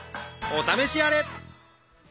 お試しあれ！